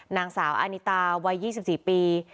นางสาวอานิตาวัย๒๔ปี